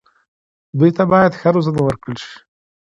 دوی ته باید ښه روزنه ورکړل شي.